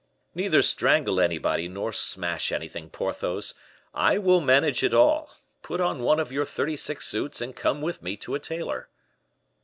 "Neither strangle anybody nor smash anything, Porthos; I will manage it all; put on one of your thirty six suits, and come with me to a tailor."